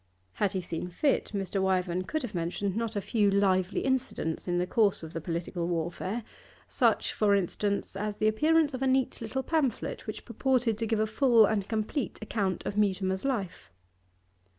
Had he seen fit, Mr. Wyvern could have mentioned not a few lively incidents in the course of the political warfare; such, for instance, as the appearance of a neat little pamphlet which purported to give a full and complete account of Mutimer's life.